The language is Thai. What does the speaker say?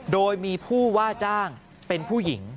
โดยมีผู้ว่าจ้างเป็นผู้หญิง